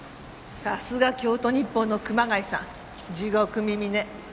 さすが『京都日報』の熊谷さん地獄耳ね。